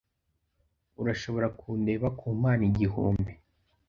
Urashobora kundeba kumpano igihumbi.